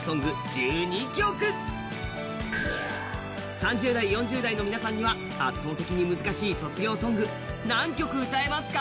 ３０代、４０代の皆さんには圧倒的に難しい卒業ソング、何曲歌えますか？